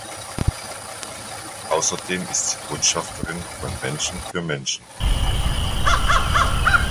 Außerdem ist sie Botschafterin von Menschen für Menschen.